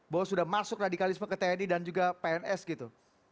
bahwa sudah masuk radikalisme ke tni dan juga pns gitu